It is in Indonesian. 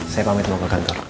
saya pamit mau ke kantor